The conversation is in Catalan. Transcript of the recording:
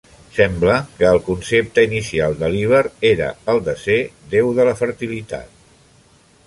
Sembla que el concepte inicial de Líber era el de ser déu de la fertilitat.